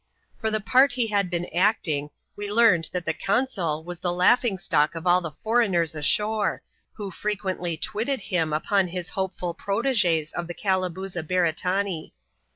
For the part he had been acting, we leaniea that the consul was the laughing stock of all the foreignoi ashore, who frequently twitted him upon his hopeful protegte of the Calabooza Beretanee.